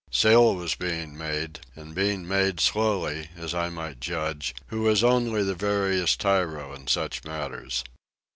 Sail was being made, and being made slowly, as I might judge, who was only the veriest tyro in such matters.